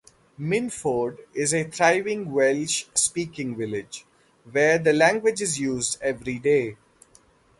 Minffordd is a thriving Welsh speaking village, where the language is used every day.